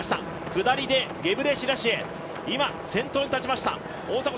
下りでゲブレシラシエ、今先頭に立ちました。